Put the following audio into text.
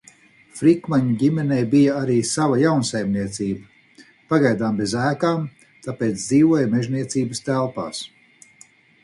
Frikmaņu ģimenei bija arī sava jaunsaimniecība, pagaidām bez ēkām, tāpēc dzīvoja mežniecības telpās.